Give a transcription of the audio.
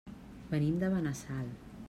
Venim de Benassal.